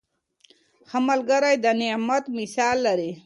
ښه ملګری د نعمت مثال لري.